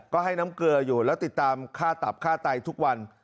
ก็ให้น้ำเกลืออยู่แล้วติดตามค่าตับค่าไตทุกวัน